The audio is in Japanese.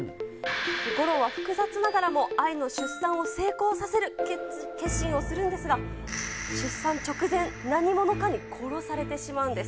ゴローは複雑ながらも、アイの出産を成功させる決心をするんですが、出産直前、何者かに殺されてしまうんです。